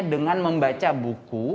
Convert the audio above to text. dengan membaca buku